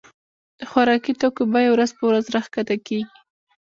د خوراکي توکو بيي ورځ په ورځ را کښته کيږي.